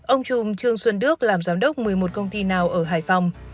ông trung trường xuân đước làm giám đốc một mươi một công ty nào ở hải phòng